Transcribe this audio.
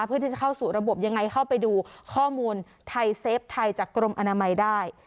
เพื่อที่จะเข้าสู่ระบบยังไงเข้าไปดูข้อมูลไทยเซฟไทยจากกรมอนามัยได้